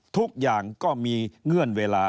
ทุกอย่างก็มีเงื่อนเวลา